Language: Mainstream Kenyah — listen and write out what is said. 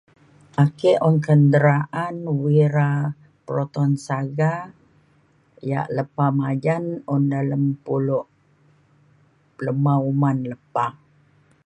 ake un kenderaan Wira Proton Saga ia' lepa majan un dalem pulo lema uman lepah